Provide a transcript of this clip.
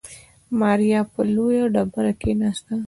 ماريا پر لويه ډبره کېناسته.